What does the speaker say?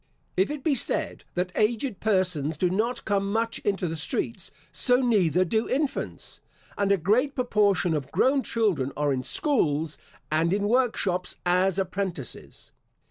If it be said that aged persons do not come much into the streets, so neither do infants; and a great proportion of grown children are in schools and in work shops as apprentices.